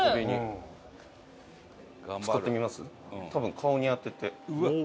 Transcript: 「多分顔に当てて」